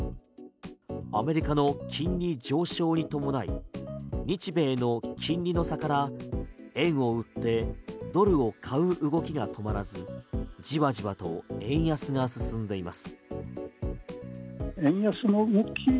アメリカの金利上昇に伴い日米の金利の差から円を売ってドルを買う動きが止まらずじわじわと円安が進んでいます。